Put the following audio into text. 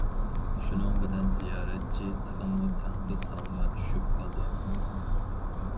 شۇنىڭ بىلەن زىيارەتچى تېخىمۇ تەڭقىس ھالغا چۈشۈپ قالدى.